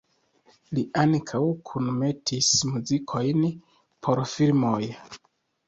Li ankaŭ kunmetis muzikojn por filmoj.